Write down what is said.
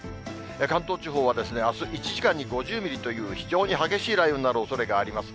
関東地方はあす１時間に５０ミリという、非常に激しい雷雨になるおそれがあります。